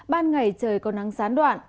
ban ngày trời còn đang sán đoạn